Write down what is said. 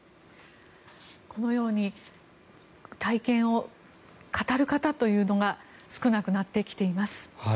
このように体験を語る方というのが少なくなってきています。